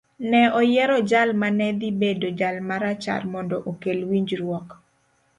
Ne oyiero jal ma ne dhi bedo jal ma rachar mondo okel winjruok.